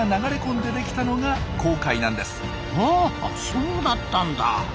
そうだったんだ。